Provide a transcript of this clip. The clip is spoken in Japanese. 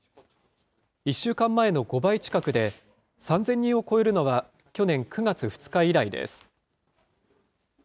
１週間前の５倍近くで、３０００人を超えるのは、去年９月２日以来です。